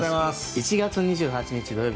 １月２８日土曜日